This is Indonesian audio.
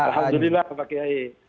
alhamdulillah pak kiai